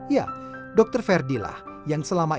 ya dr verdi lah yang selamatnya